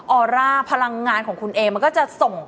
ออร่าพลังงานของคุณเองมันก็จะส่ง